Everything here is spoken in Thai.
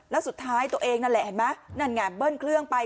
แล้วสุดท้ายตัวเองนั่นแหละเห็นไหมนั่นไงเบิ้ลเครื่องไป